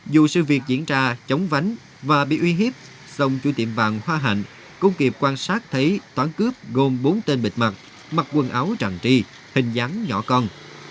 dù sự việc diễn ra chống vánh và bị uy hiếp sông chu tiệm vàng hoa hạnh cũng kịp quan sát thấy toán cướp gồm bốn tên bịt mặt mặc quần áo chẳng tri hình dáng nhỏ con